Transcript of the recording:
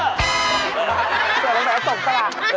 เสร็จแล้วตกสละ